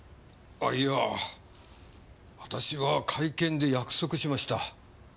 あいや私は会見で約束しました。